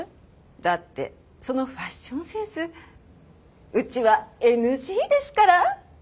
だってそのファッションセンスうちはＮＧですから。